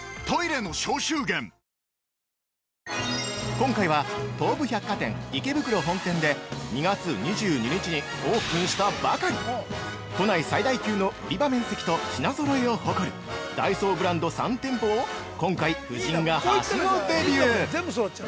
◆今回は、東武百貨店池袋本店で２月２２日にオープンしたばかり都内最大級の売り場面積と品ぞろえを誇るダイソーブランド３店舗を今回、夫人がはしごデビュー！